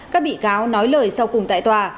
các bị cáo nói lời sau cùng tại tòa